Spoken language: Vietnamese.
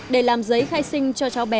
để làm giấy khai sinh cho cháu bác